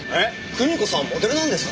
くみ子さんモデルなんですか？